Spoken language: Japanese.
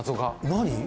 何？